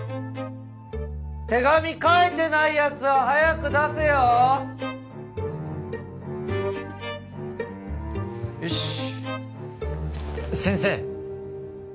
手紙書いてないヤツは早く出せよよしっ先生